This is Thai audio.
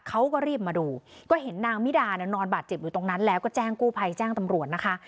เขาก็รีบมาดูก็เห็นนางมิดาเนี่ยนอนบาดเจ็บอยู่ตรงนั้นแล้วก็แจ้งกู้ภัยแจ้งตำรวจนะคะ